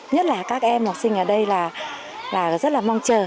nhất là các em học sinh ở đây là rất là mong chờ